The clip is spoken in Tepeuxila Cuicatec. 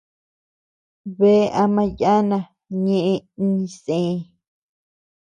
Bea ama yana ñeʼe iñsé.